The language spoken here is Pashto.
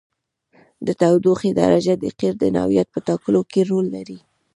د تودوخې درجه د قیر د نوعیت په ټاکلو کې رول لري